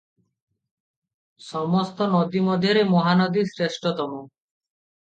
ସମସ୍ତ ନଦୀ ମଧ୍ୟରେ ମହାନଦୀ ଶ୍ରେଷ୍ଠତମ ।